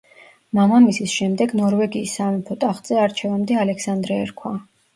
მამამისის შემდეგ ნორვეგიის სამეფო ტახტზე არჩევამდე ალექსანდრე ერქვა.